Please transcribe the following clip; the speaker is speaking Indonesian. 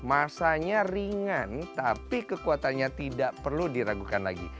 masanya ringan tapi kekuatannya tidak perlu diragukan lagi